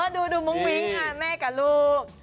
ดูหลวงมิ๊งเอาที่แม่กับลูก